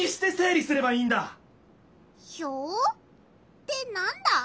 ってなんだ？